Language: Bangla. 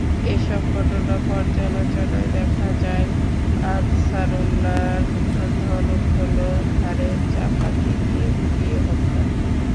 এসব ঘটনা পর্যালোচনায় দেখা যায়, আনসারুল্লাহর ধরন হলো, ঘাড়ে চাপাতি দিয়ে কুপিয়ে হত্যা।